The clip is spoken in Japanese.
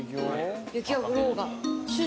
雪が降ろうが。